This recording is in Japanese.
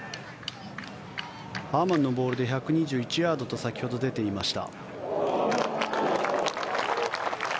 ハーマンのボールで１２１ヤードと先ほど出ていました。